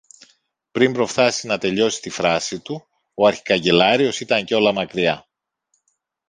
Πριν προφθάσει να τελειώσει τη φράση του, ο αρχικαγκελάριος ήταν κιόλα μακριά.